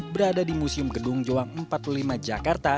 berada di museum gedung joang empat puluh lima jakarta